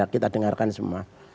kita dengarkan semua